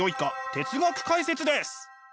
哲学解説です！